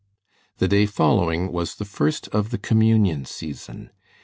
The day following was the first of the "Communion Season."